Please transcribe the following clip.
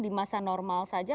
di masa normal saja